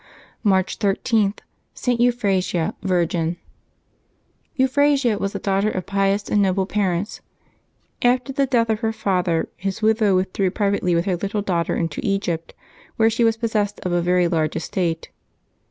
March 13. ST. EUPHRASIA, Virgin. /^UPHRASIA was the daughter of pious and noble parents. \Sa After the death of her father his widow withdrew privately with her little daughter into Egypt, where she was possessed of a very large estate.